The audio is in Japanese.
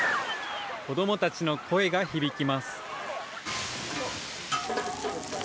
子どもたちの声が響きます。